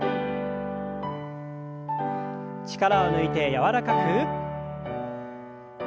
力を抜いて柔らかく。